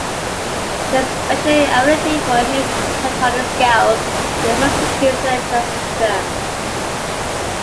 There is a special affinity for heptatonic scales in the Western key signature system.